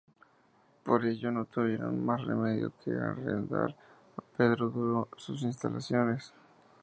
Por ello no tuvieron más remedio que arrendar a Pedro Duro sus instalaciones.